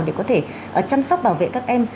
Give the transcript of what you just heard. để có thể chăm sóc bảo vệ các em